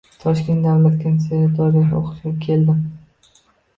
Toshkent Davlat konservatoriyasiga o’qishga keldim.